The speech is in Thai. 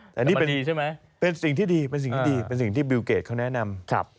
แต่นี่เป็นสิ่งที่ดีเป็นสิ่งที่บิลเกจเขาแนะนำ